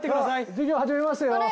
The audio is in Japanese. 授業始めますよ